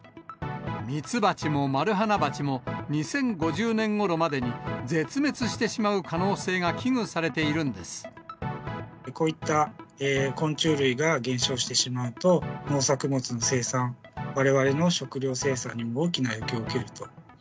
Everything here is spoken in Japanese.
ミツバチもマルハナバチも２０５０年ごろまでに絶滅してしまう可能性が危惧されているんでこういった昆虫類が減少してしまうと、農作物の生産、われわれの食料生産にも大きな影響を受けると。